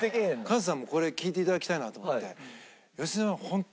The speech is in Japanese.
カズさんもこれ聞いて頂きたいなと思って。